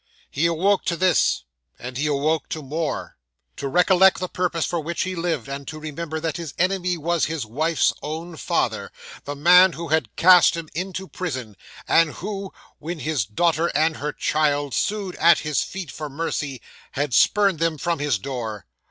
He awoke to this, and he awoke to more. To recollect the purpose for which he lived, and to remember that his enemy was his wife's own father the man who had cast him into prison, and who, when his daughter and her child sued at his feet for mercy, had spurned them from his door.